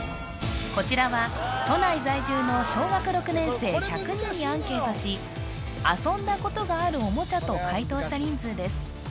こちらは都内在住の小学６年生１００人にアンケートし遊んだことがあるおもちゃと回答した人数です